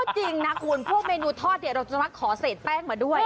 เออก็จริงนะคุณพวกเมนูทอดเราจะมาขอเสร็จแป้งมาด้วย